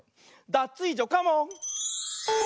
ダツイージョカモン！